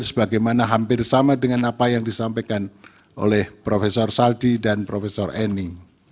sebagaimana hampir sama dengan apa yang disampaikan oleh prof saldi dan prof eni